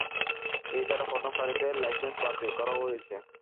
এ ছাড়া প্রধান পাইলটের লাইসেন্স বাতিল করাও হয়েছে।